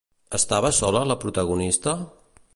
Estava sola la protagonista?